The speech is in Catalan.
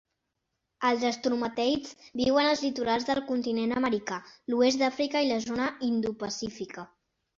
Els estromateids viuen als litorals del continent americà, l'oest d'Àfrica i la zona indopacífica.